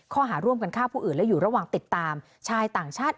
ข้อหาร่วมกันฆ่าผู้อื่นและอยู่ระหว่างติดตามชายต่างชาติ